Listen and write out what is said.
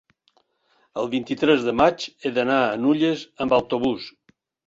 el vint-i-tres de maig he d'anar a Nulles amb autobús.